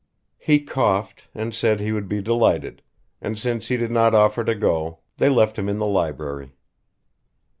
He coughed and said he would be delighted, and since he did not offer to go they left him in the library.